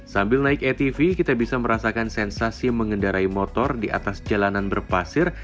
sambil naik atv kita bisa merasakan sensasi mengendarai motor di atas jalanan berpasir